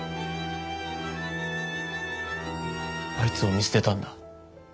あいつを見捨てたんだ。